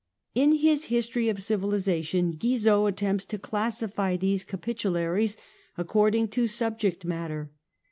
In his History of Civilisation Guizot attempts to classify these Capitularies according to subject matter.